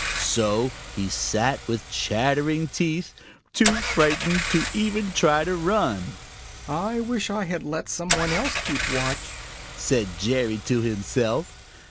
So he sat with chattering teeth, too frightened to even try to run. "I wish I had let some one else keep watch," said Jerry to himself.